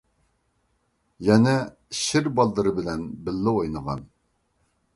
يەنە شىر بالىلىرى بىلەن بىللە ئوينىغان.